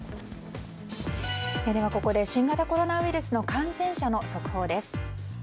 ではここで新型コロナウイルスの感染者の速報です。